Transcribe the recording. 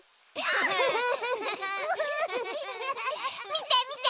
みてみて。